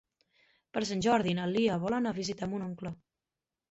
Per Sant Jordi na Lia vol anar a visitar mon oncle.